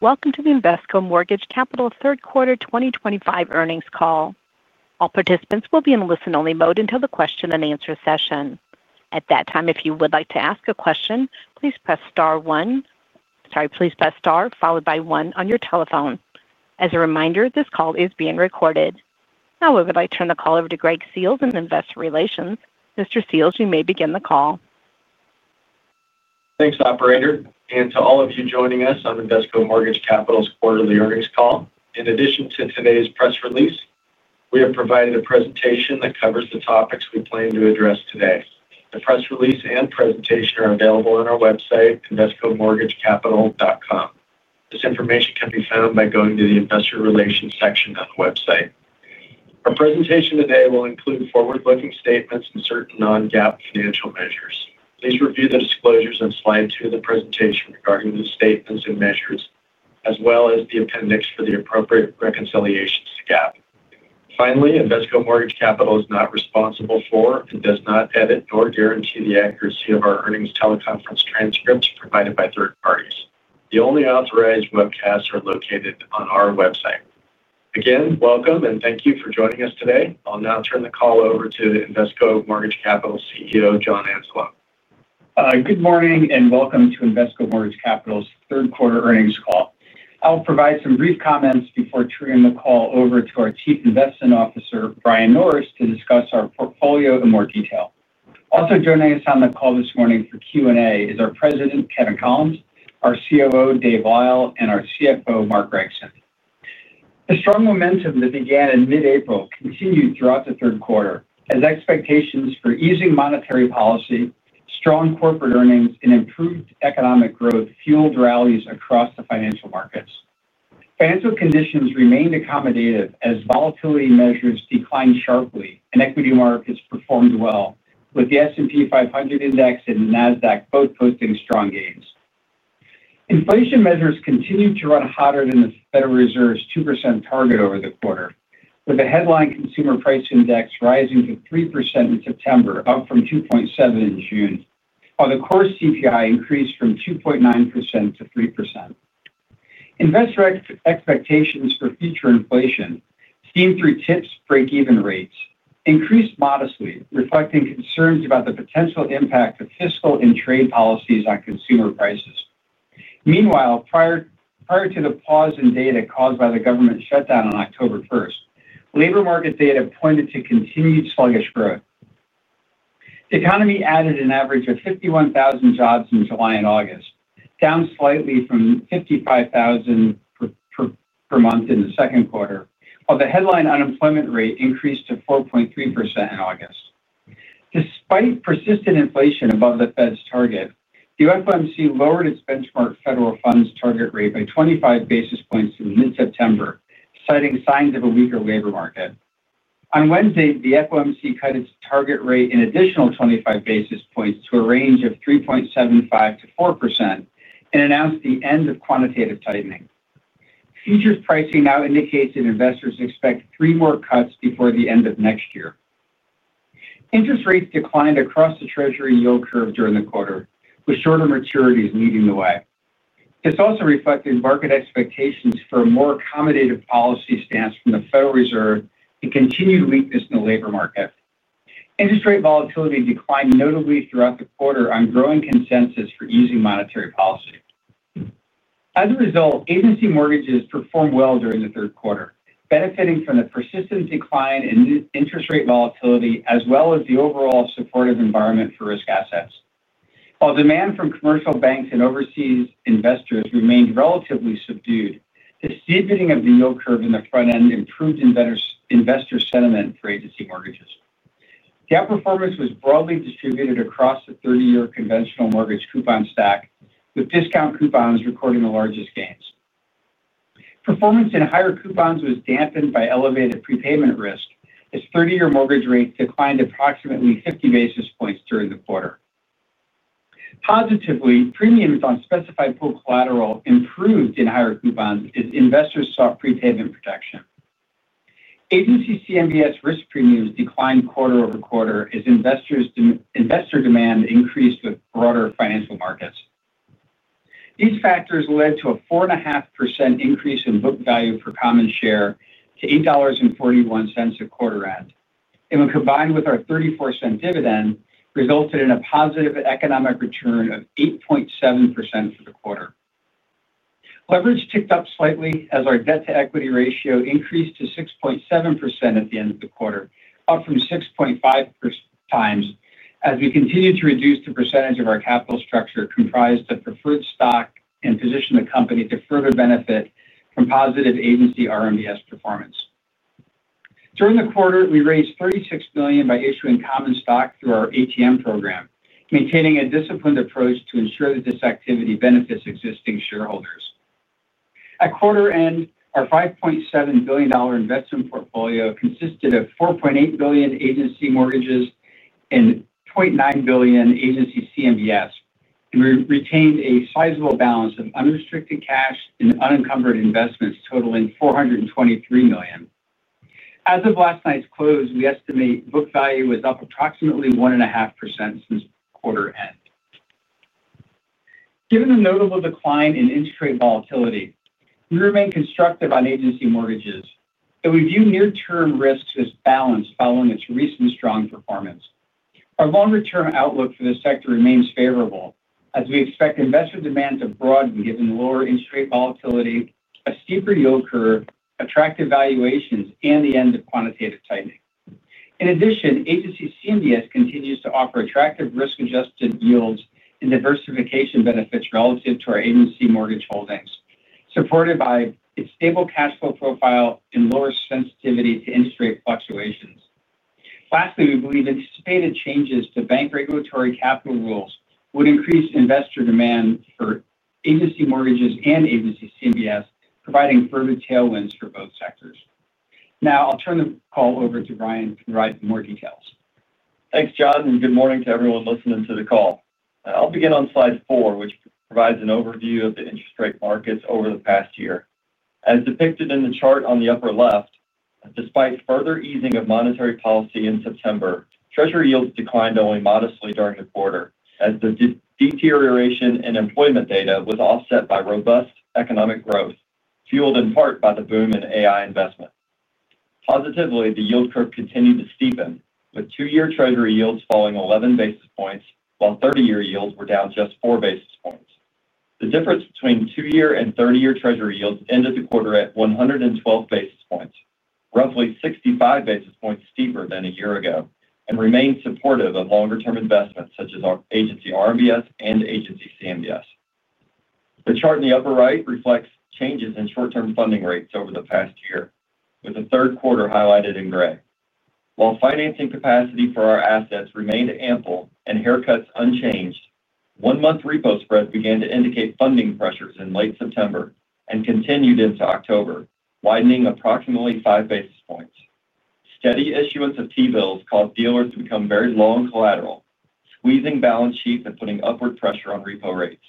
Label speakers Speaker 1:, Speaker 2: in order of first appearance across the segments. Speaker 1: Welcome to the Invesco Mortgage Capital third quarter 2025 earnings call. All participants will be in listen-only mode until the question and answer session. At that time, if you would like to ask a question, please press star followed by one on your telephone. As a reminder, this call is being recorded. Now, I would like to turn the call over to Greg Seals in Investor Relations. Mr. Seals, you may begin the call.
Speaker 2: Thanks, Operator. To all of you joining us on Invesco Mortgage Capital's quarterly earnings call, in addition to today's press release, we have provided a presentation that covers the topics we plan to address today. The press release and presentation are available on our website, invescormortgagecapital.com. This information can be found by going to the Investor Relations section on the website. Our presentation today will include forward-looking statements and certain non-GAAP financial measures. Please review the disclosures on slide two of the presentation regarding the statements and measures, as well as the appendix for the appropriate reconciliations to GAAP. Finally, Invesco Mortgage Capital is not responsible for, and does not edit, nor guarantee the accuracy of our earnings teleconference transcripts provided by third parties. The only authorized webcasts are located on our website. Again, welcome and thank you for joining us today. I'll now turn the call over to Invesco Mortgage Capital CEO, John Anzalone.
Speaker 3: Good morning and welcome to Invesco Mortgage Capital's third quarter earnings call. I'll provide some brief comments before turning the call over to our Chief Investment Officer, Brian Norris, to discuss our portfolio in more detail. Also joining us on the call this morning for Q&A is our President, Kevin Collins, our COO, Dave Weil, and our CFO, Mark Gregson. The strong momentum that began in mid-April continued throughout the third quarter as expectations for easing monetary policy, strong corporate earnings, and improved economic growth fueled rallies across the financial markets. Financial conditions remained accommodative as volatility measures declined sharply and equity markets performed well, with the S&P 500 index and the NASDAQ both posting strong gains. Inflation measures continued to run hotter than the Federal Reserve's 2% target over the quarter, with the headline consumer price index rising to 3% in September, up from 2.7% in June, while the core CPI increased from 2.9% to 3%. Investor expectations for future inflation, seen through TIPS break-even rates, increased modestly, reflecting concerns about the potential impact of fiscal and trade policies on consumer prices. Meanwhile, prior to the pause in data caused by the government shutdown on October 1, labor market data pointed to continued sluggish growth. The economy added an average of 51,000 jobs in July and August, down slightly from 55,000 per month in the second quarter, while the headline unemployment rate increased to 4.3% in August. Despite persistent inflation above the Fed's target, the FOMC lowered its benchmark federal funds target rate by 25 basis points in mid-September, citing signs of a weaker labor market. On Wednesday, the FOMC cut its target rate an additional 25 basis points to a range of 3.75% to 4% and announced the end of quantitative tightening. Futures pricing now indicates that investors expect three more cuts before the end of next year. Interest rates declined across the Treasury yield curve during the quarter, with shorter maturities leading the way. This also reflected market expectations for a more accommodative policy stance from the Federal Reserve and continued weakness in the labor market. Interest rate volatility declined notably throughout the quarter on growing consensus for easing monetary policy. As a result, agency mortgages performed well during the third quarter, benefiting from the persistent decline in interest rate volatility as well as the overall supportive environment for risk assets. While demand from commercial banks and overseas investors remained relatively subdued, the steepening of the yield curve in the front end improved investor sentiment for agency mortgages. GAAP performance was broadly distributed across the 30-year conventional mortgage coupon stack, with discount coupons recording the largest gains. Performance in higher coupons was dampened by elevated prepayment risk as 30-year mortgage rates declined approximately 50 basis points during the quarter. Positively, premiums on specified pool collateral improved in higher coupons as investors sought prepayment protection. Agency CMBS risk premiums declined quarter over quarter as investor demand increased with broader financial markets. These factors led to a 4.5% increase in book value per common share to $8.41 at quarter end. When combined with our $0.34 dividend, it resulted in a positive economic return of 8.7% for the quarter. Leverage ticked up slightly as our debt-to-equity ratio increased to 6.7% at the end of the quarter, up from 6.5 times as we continued to reduce the percentage of our capital structure comprised of preferred stock and position the company to further benefit from positive agency RMBS performance. During the quarter, we raised $36 million by issuing common stock through our ATM program, maintaining a disciplined approach to ensure that this activity benefits existing shareholders. At quarter end, our $5.7 billion investment portfolio consisted of $4.8 billion agency mortgages and $0.9 billion agency CMBS, and we retained a sizable balance of unrestricted cash and unencumbered investments totaling $423 million. As of last night's close, we estimate book value was up approximately 1.5% since quarter end. Given the notable decline in interest rate volatility, we remain constructive on agency mortgages, and we view near-term risks as balanced following its recent strong performance. Our longer-term outlook for the sector remains favorable as we expect investor demand to broaden given lower interest rate volatility, a steeper yield curve, attractive valuations, and the end of quantitative tightening. In addition, agency CMBS continues to offer attractive risk-adjusted yields and diversification benefits relative to our agency mortgage holdings, supported by its stable cash flow profile and lower sensitivity to interest rate fluctuations. Lastly, we believe anticipated changes to bank regulatory capital rules would increase investor demand for agency mortgages and agency CMBS, providing further tailwinds for both sectors. Now, I'll turn the call over to Brian to provide some more details.
Speaker 4: Thanks, John, and good morning to everyone listening to the call. I'll begin on slide four, which provides an overview of the interest rate markets over the past year. As depicted in the chart on the upper left, despite further easing of monetary policy in September, Treasury yields declined only modestly during the quarter as the deterioration in employment data was offset by robust economic growth, fueled in part by the boom in AI investment. Positively, the yield curve continued to steepen, with two-year Treasury yields falling 11 basis points while 30-year yields were down just four basis points. The difference between two-year and 30-year Treasury yields ended the quarter at 112 basis points, roughly 65 basis points steeper than a year ago, and remained supportive of longer-term investments such as agency RMBS and agency CMBS. The chart in the upper right reflects changes in short-term funding rates over the past year, with the third quarter highlighted in gray. While financing capacity for our assets remained ample and haircuts unchanged, one-month repo spreads began to indicate funding pressures in late September and continued into October, widening approximately five basis points. Steady issuance of T-bills caused dealers to become very low on collateral, squeezing balance sheets and putting upward pressure on repo rates.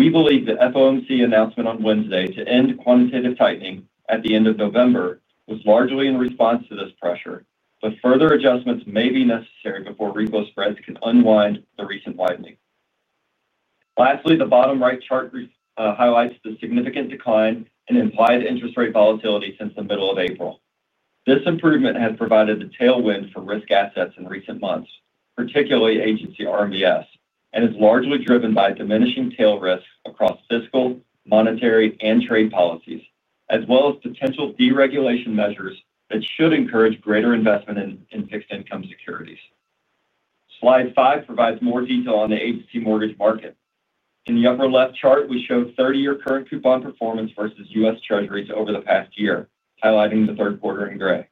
Speaker 4: We believe the FOMC announcement on Wednesday to end quantitative tightening at the end of November was largely in response to this pressure, but further adjustments may be necessary before repo spreads can unwind the recent widening. Lastly, the bottom right chart highlights the significant decline in implied interest rate volatility since the middle of April. This improvement has provided the tailwind for risk assets in recent months, particularly agency RMBS, and is largely driven by diminishing tail risk across fiscal, monetary, and trade policies, as well as potential deregulation measures that should encourage greater investment in fixed income securities. Slide five provides more detail on the agency mortgage market. In the upper left chart, we showed 30-year current coupon performance versus U.S. Treasuries over the past year, highlighting the third quarter in gray.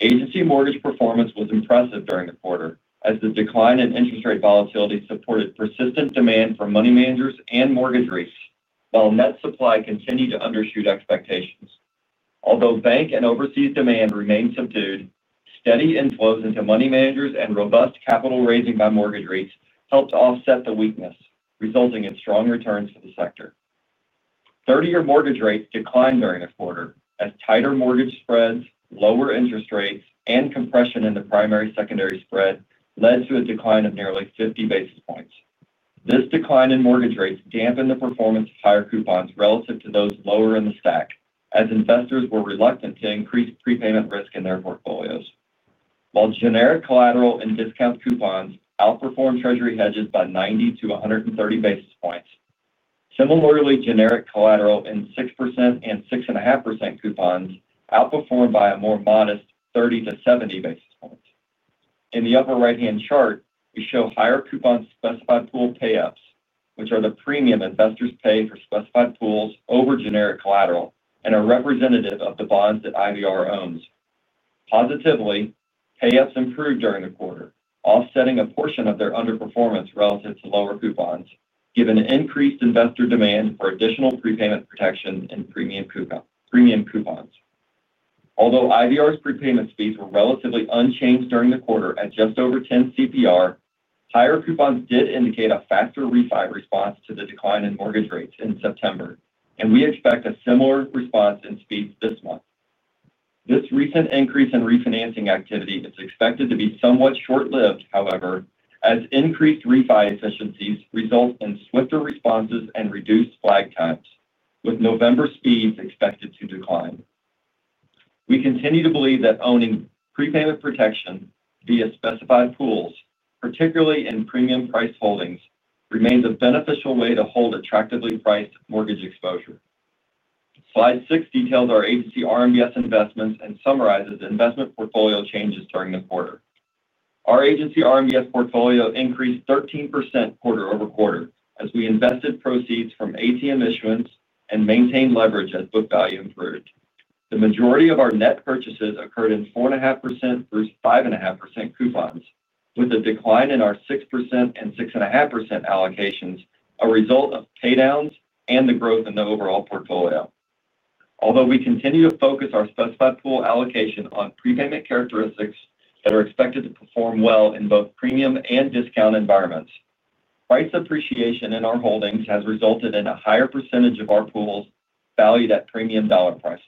Speaker 4: Agency mortgage performance was impressive during the quarter as the decline in interest rate volatility supported persistent demand for money managers and mortgage rates while net supply continued to undershoot expectations. Although bank and overseas demand remained subdued, steady inflows into money managers and robust capital raising by mortgage REITs helped offset the weakness, resulting in strong returns for the sector. 30-year mortgage rates declined during the quarter as tighter mortgage spreads, lower interest rates, and compression in the primary/secondary spread led to a decline of nearly 50 basis points. This decline in mortgage rates dampened the performance of higher coupons relative to those lower in the stack as investors were reluctant to increase prepayment risk in their portfolios. While generic collateral and discount coupons outperformed Treasury hedges by 90 basis points to 130 basis points, similarly, generic collateral in 6% and 6.5% coupons outperformed by a more modest 30 basis points to 70 basis points. In the upper right-hand chart, we show higher coupon specified pool payouts, which are the premium investors pay for specified pools over generic collateral and are representative of the bonds that Invesco Mortgage Capital owns. Positively, payouts improved during the quarter, offsetting a portion of their underperformance relative to lower coupons, given increased investor demand for additional prepayment protection and premium coupons. Although Invesco Mortgage Capital's prepayment speeds were relatively unchanged during the quarter at just over 10 CPR, higher coupons did indicate a faster refi response to the decline in mortgage rates in September, and we expect a similar response in speeds this month. This recent increase in refinancing activity is expected to be somewhat short-lived, however, as increased refi efficiencies result in swifter responses and reduced flag times, with November speeds expected to decline. We continue to believe that owning prepayment protection via specified pools, particularly in premium price holdings, remains a beneficial way to hold attractively priced mortgage exposure. Slide six details our agency RMBS investments and summarizes investment portfolio changes during the quarter. Our agency RMBS portfolio increased 13% quarter over quarter as we invested proceeds from ATM issuance and maintained leverage as book value improved. The majority of our net purchases occurred in 4.5% versus 5.5% coupons, with a decline in our 6% and 6.5% allocations a result of paydowns and the growth in the overall portfolio. Although we continue to focus our specified pool allocation on prepayment characteristics that are expected to perform well in both premium and discount environments, price appreciation in our holdings has resulted in a higher percentage of our pools valued at premium dollar prices.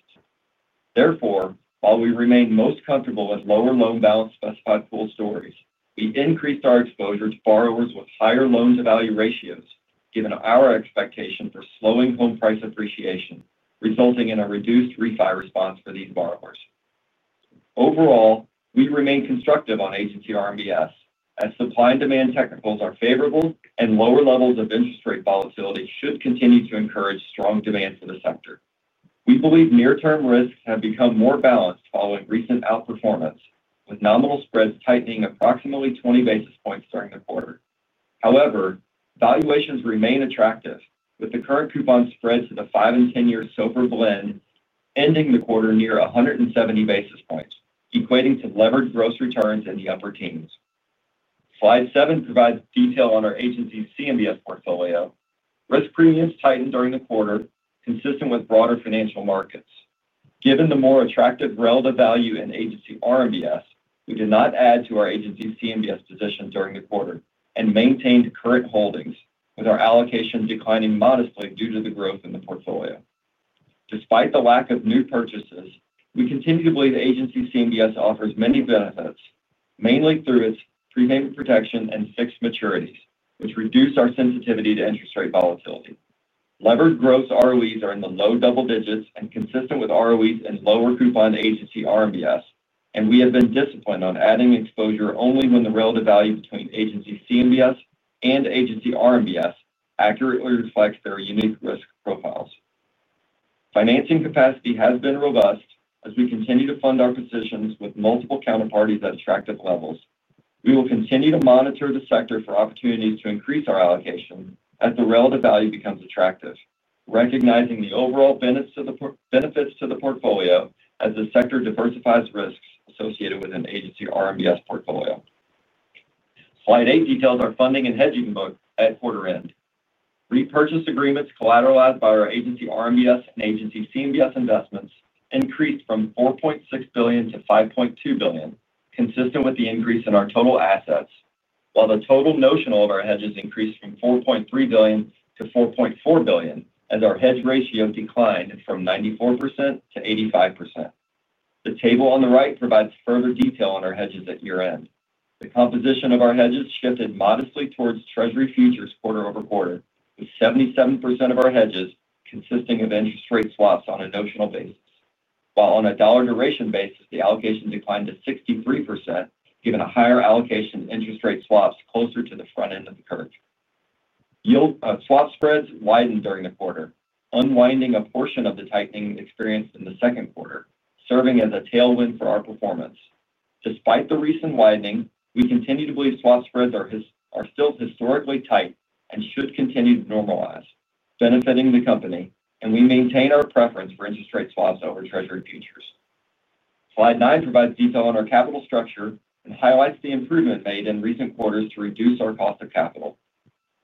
Speaker 4: Therefore, while we remain most comfortable with lower loan balance specified pool stories, we increased our exposure to borrowers with higher loan-to-value ratios given our expectation for slowing home price appreciation, resulting in a reduced refi response for these borrowers. Overall, we remain constructive on agency RMBS as supply and demand technicals are favorable and lower levels of interest rate volatility should continue to encourage strong demand for the sector. We believe near-term risks have become more balanced following recent outperformance, with nominal spreads tightening approximately 20 basis points during the quarter. However, valuations remain attractive with the current coupon spreads to the five and 10-year SOFR blend ending the quarter near 170 basis points, equating to levered gross returns in the upper teens. Slide seven provides detail on our agency CMBS portfolio. Risk premiums tightened during the quarter, consistent with broader financial markets. Given the more attractive relative value in agency RMBS, we did not add to our agency CMBS position during the quarter and maintained current holdings, with our allocation declining modestly due to the growth in the portfolio. Despite the lack of new purchases, we continue to believe agency CMBS offers many benefits, mainly through its prepayment protection and fixed maturities, which reduce our sensitivity to interest rate volatility. Leveraged gross ROEs are in the low double digits and consistent with ROEs in lower coupon agency RMBS, and we have been disciplined on adding exposure only when the relative value between agency CMBS and agency RMBS accurately reflects their unique risk profiles. Financing capacity has been robust as we continue to fund our positions with multiple counterparties at attractive levels. We will continue to monitor the sector for opportunities to increase our allocation as the relative value becomes attractive, recognizing the overall benefits to the portfolio as the sector diversifies risks associated with an agency RMBS portfolio. Slide eight details our funding and hedging book at quarter end. Repurchase agreements collateralized by our agency RMBS and agency CMBS investments increased from $4.6 billion to $5.2 billion, consistent with the increase in our total assets, while the total notional of our hedges increased from $4.3 billion to $4.4 billion as our hedge ratio declined from 94% to 85%. The table on the right provides further detail on our hedges at year-end. The composition of our hedges shifted modestly towards U.S. Treasury futures quarter over quarter, with 77% of our hedges consisting of interest rate swaps on a notional basis, while on a dollar duration basis, the allocation declined to 63%, given a higher allocation to interest rate swaps closer to the front end of the curve. Swap spreads widened during the quarter, unwinding a portion of the tightening experienced in the second quarter, serving as a tailwind for our performance. Despite the recent widening, we continue to believe swap spreads are still historically tight and should continue to normalize, benefiting the company, and we maintain our preference for interest rate swaps over U.S. Treasury futures. Slide nine provides detail on our capital structure and highlights the improvement made in recent quarters to reduce our cost of capital.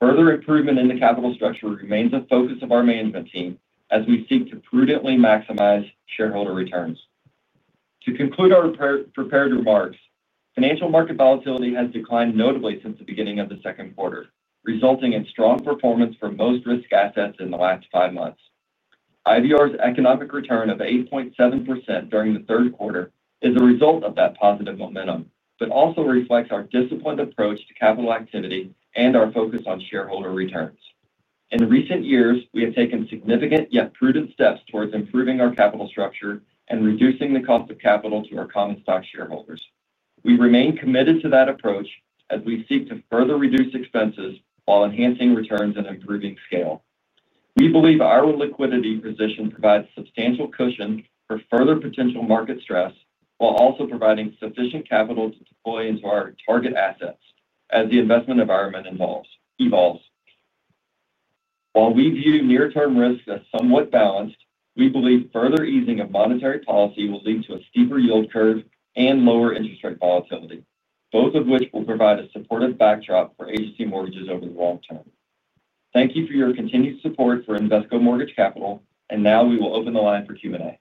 Speaker 4: Further improvement in the capital structure remains a focus of our management team as we seek to prudently maximize shareholder returns. To conclude our prepared remarks, financial market volatility has declined notably since the beginning of the second quarter, resulting in strong performance for most risk assets in the last five months. IVR's economic return of 8.7% during the third quarter is a result of that positive momentum, but also reflects our disciplined approach to capital activity and our focus on shareholder returns. In recent years, we have taken significant yet prudent steps towards improving our capital structure and reducing the cost of capital to our common stock shareholders. We remain committed to that approach as we seek to further reduce expenses while enhancing returns and improving scale. We believe our liquidity position provides substantial cushion for further potential market stress while also providing sufficient capital to deploy into our target assets as the investment environment evolves. While we view near-term risks as somewhat balanced, we believe further easing of monetary policy will lead to a steeper yield curve and lower interest rate volatility, both of which will provide a supportive backdrop for agency mortgages over the long term. Thank you for your continued support for Invesco Mortgage Capital, and now we will open the line for Q&A.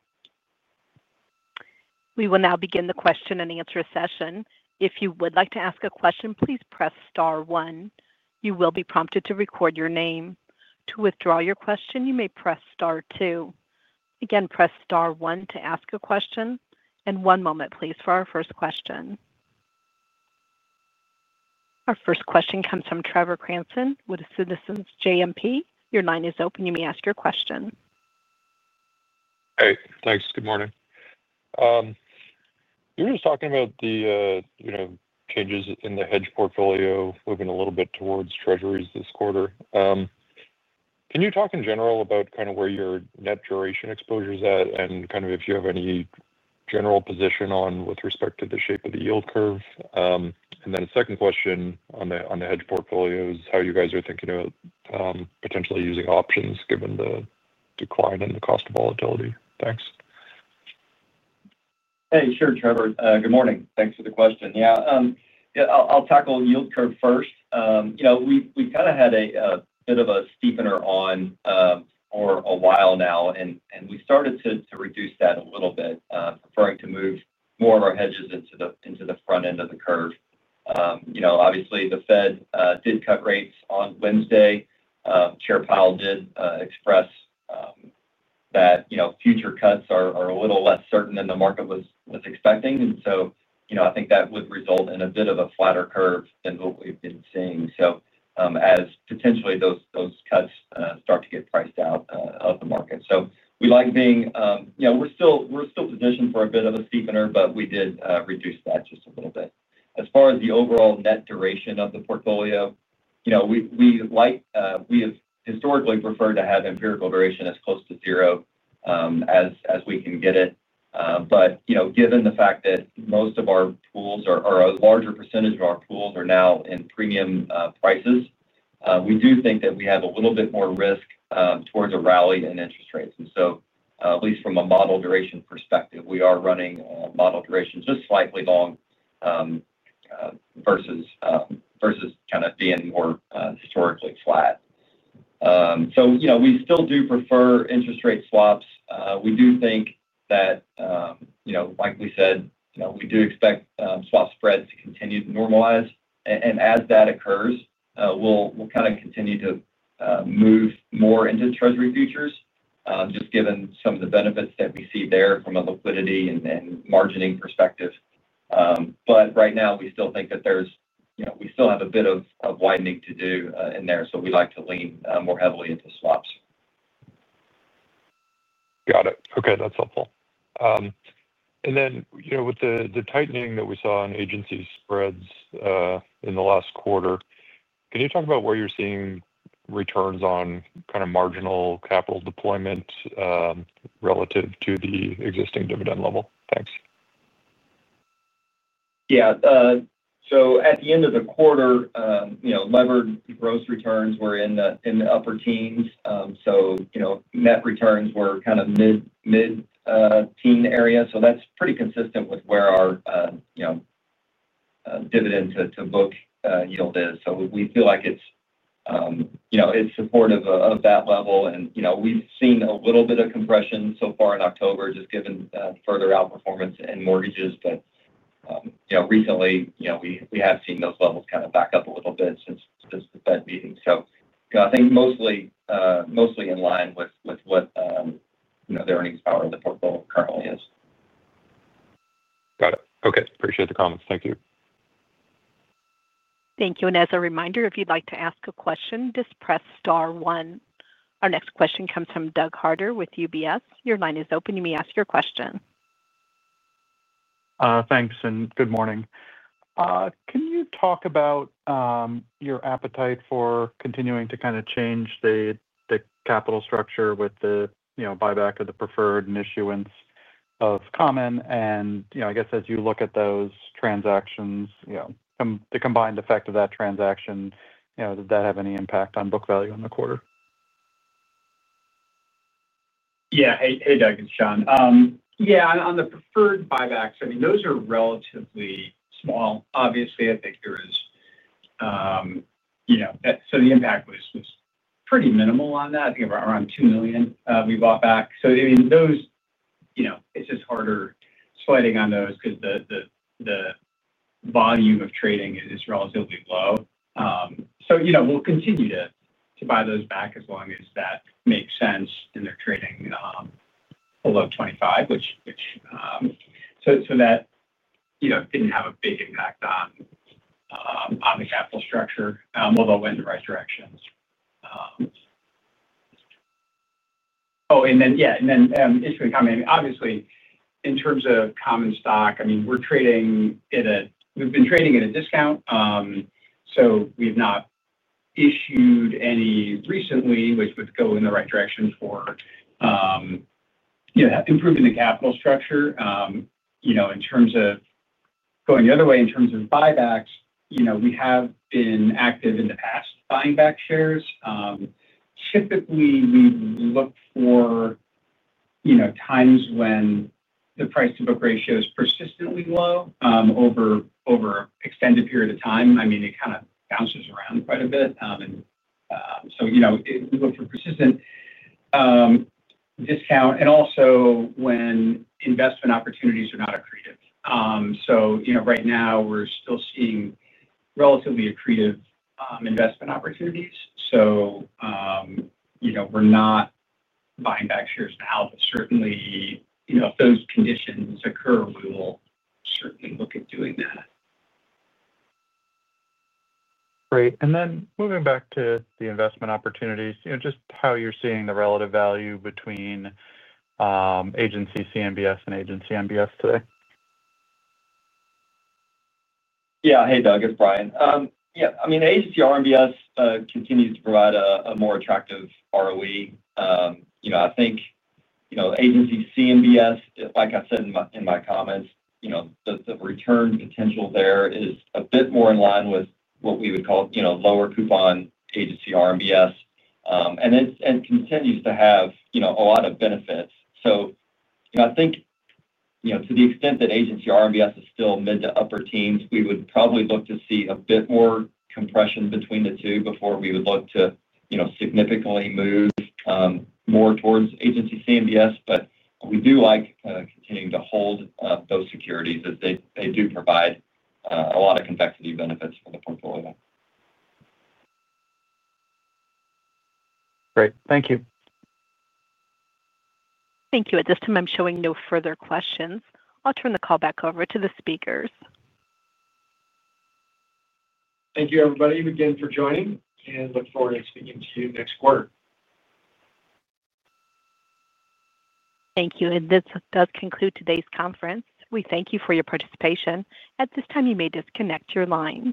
Speaker 1: We will now begin the question and answer session. If you would like to ask a question, please press star one. You will be prompted to record your name. To withdraw your question, you may press star two. Again, press star one to ask a question. One moment, please, for our first question. Our first question comes from Trevor Cranston with Citizens JMP Securities. Your line is open. You may ask your question.
Speaker 5: Hey, thanks. Good morning. You were just talking about the changes in the hedge portfolio moving a little bit towards Treasuries this quarter. Can you talk in general about kind of where your net duration exposure is at and if you have any general position with respect to the shape of the yield curve? The second question on the hedge portfolio is how you guys are thinking about potentially using options given the decline in the cost of volatility. Thanks.
Speaker 4: Hey, sure, Trevor. Good morning. Thanks for the question. Yeah. I'll tackle yield curve first. We've kind of had a bit of a steepener on for a while now, and we started to reduce that a little bit, preferring to move more of our hedges into the front end of the curve. Obviously, the Fed did cut rates on Wednesday. Chair Powell did express that future cuts are a little less certain than the market was expecting. I think that would result in a bit of a flatter curve than what we've been seeing, as potentially those cuts start to get priced out of the market. We like being—we're still positioned for a bit of a steepener, but we did reduce that just a little bit. As far as the overall net duration of the portfolio, we have historically preferred to have empirical duration as close to zero as we can get it. Given the fact that most of our pools—or a larger percentage of our pools—are now in premium prices, we do think that we have a little bit more risk towards a rally in interest rates. At least from a model duration perspective, we are running model duration just slightly long versus kind of being more historically flat. We still do prefer interest rate swaps. We do think that, like we said, we do expect swap spreads to continue to normalize. As that occurs, we'll kind of continue to move more into U.S. Treasury futures, just given some of the benefits that we see there from a liquidity and margining perspective. Right now, we still think that there's—we still have a bit of widening to do in there, so we like to lean more heavily into swaps.
Speaker 5: Got it. Okay, that's helpful. With the tightening that we saw in agency spreads in the last quarter, can you talk about where you're seeing returns on kind of marginal capital deployment relative to the existing dividend level? Thanks.
Speaker 4: Yeah. At the end of the quarter, levered gross returns were in the upper teens. Net returns were kind of mid-teen area. That's pretty consistent with where our dividend to book yield is. We feel like it's supportive of that level. We've seen a little bit of compression so far in October, just given further outperformance in mortgages. Recently, we have seen those levels kind of back up a little bit since the Fed meeting. I think mostly in line with what the earnings power of the portfolio currently is.
Speaker 5: Got it. Okay. Appreciate the comments. Thank you.
Speaker 1: Thank you. As a reminder, if you'd like to ask a question, just press star one. Our next question comes from Doug Harter with UBS Investment Bank. Your line is open. You may ask your question.
Speaker 6: Thanks. Good morning. Can you talk about your appetite for continuing to kind of change the capital structure with the buyback of the preferred and issuance of common? As you look at those transactions, the combined effect of that transaction, did that have any impact on book value in the quarter?
Speaker 3: Yeah. Hey, Doug, it's John. On the preferred buybacks, those are relatively small. Obviously, I think there is— The impact was pretty minimal on that. I think around $2 million we bought back. Those— It's just harder sliding on those because the volume of trading is relatively low. We'll continue to buy those back as long as that makes sense and they're trading below $25, which didn't have a big impact on the capital structure, although it went in the right direction. Oh, and then, yeah, issuing common—I mean, obviously, in terms of common stock, we're trading in a—we've been trading at a discount. We've not issued any recently, which would go in the right direction for improving the capital structure. In terms of going the other way, in terms of buybacks, we have been active in the past buying back shares. Typically, we look for times when the price-to-book ratio is persistently low over an extended period of time. It kind of bounces around quite a bit, and we look for consistent discount and also when investment opportunities are not accretive. Right now, we're still seeing relatively accretive investment opportunities. We're not buying back shares now, but certainly, if those conditions occur, we will certainly look at doing that.
Speaker 6: Great. Moving back to the investment opportunities, just how you're seeing the relative value between agency CMBS and agency RMBS today?
Speaker 4: Yeah. Hey, Doug. It's Brian. Yeah. I mean, agency RMBS continues to provide a more attractive ROE, I think. Agency CMBS, like I said in my comments, the return potential there is a bit more in line with what we would call lower coupon agency RMBS, and it continues to have a lot of benefits. I think to the extent that agency RMBS is still mid to upper teens, we would probably look to see a bit more compression between the two before we would look to significantly move more towards agency CMBS. We do like continuing to hold those securities as they do provide a lot of complexity benefits for the portfolio.
Speaker 6: Great. Thank you.
Speaker 1: Thank you. At this time, I'm showing no further questions. I'll turn the call back over to the speakers.
Speaker 2: Thank you, everybody, again for joining, and look forward to speaking to you next quarter.
Speaker 1: Thank you. This does conclude today's conference. We thank you for your participation. At this time, you may disconnect your line.